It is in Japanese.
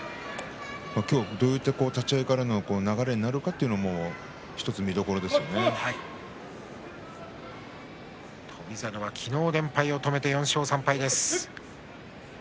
今日どういう立ち合いからの流れになるかということも翔猿は昨日連敗を止めました４勝３敗です。